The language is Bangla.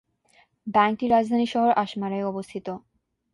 ব্যাংকটি রাজধানী শহর আস্মারায় অবস্থিত।